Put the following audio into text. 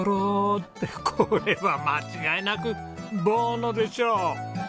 ってこれは間違いなくボーノでしょう！